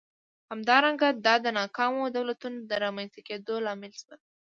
همدارنګه دا د ناکامو دولتونو د رامنځته کېدو لامل شول.